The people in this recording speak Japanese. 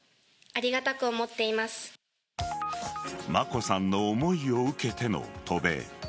眞子さんの思いを受けての渡米。